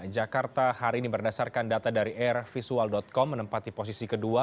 jakarta hari ini berdasarkan data dari airvisual com menempati posisi kedua